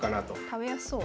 食べやすそう。